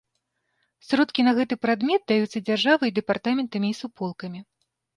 Сродкі на гэты прадмет даюцца дзяржавай, дэпартаментамі і суполкамі.